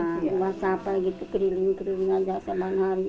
nggak capek gitu keriling keriling aja sepanjang hari